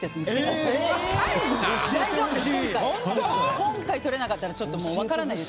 今回取れなかったらちょっともう分からないです